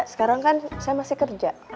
sekarang kan saya masih kerja